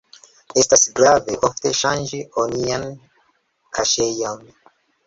Estas grave ofte ŝanĝi onian kaŝejon.